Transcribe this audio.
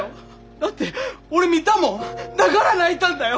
だって俺見たもんだから泣いたんだよ！